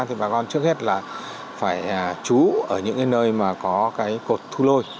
thì bà con trước hết là phải trú ở những nơi mà có cái cột thu lôi